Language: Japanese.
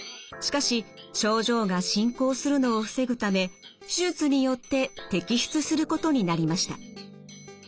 しかし症状が進行するのを防ぐため手術によって摘出することになりました。